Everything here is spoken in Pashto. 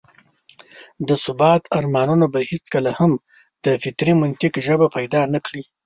د ثبات ارمانونه به هېڅکله هم د فطري منطق ژبه پيدا نه کړي.